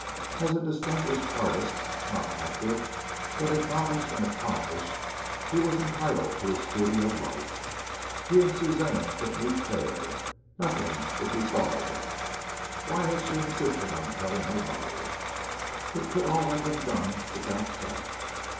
As a distinguished artist, not active, but acknowledged and accomplished, he was entitled to a studio life. He and Suzanne could meet there. Nothing would be thought of it. Why had she insisted on telling her mother? It could all have been done without that.